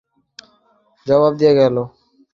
একদিন এমন হইল যে, ডাক্তারে জবাব দিয়া গেল।